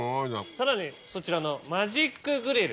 さらにそちらのマジックグリル。